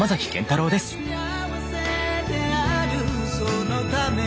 「そのために」